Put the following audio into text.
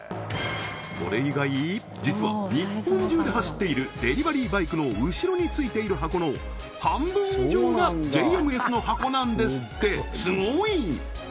これ以外実は日本中で走っているデリバリーバイクの後ろについている箱の半分以上がジェイエムエスの箱なんですってスゴい！